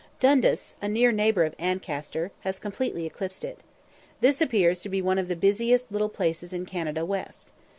Dundas, a near neighbour of Ancaster, has completely eclipsed it. This appears to be one of the busiest little places in Canada West.